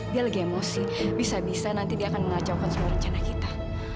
dia lagi emosi bisa bisa nanti dia akan mengacaukan semua rencana kita